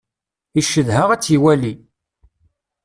Icedha ad tt-iwali.